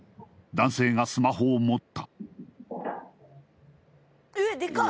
男性がスマホを持った・Ｈｅｙ！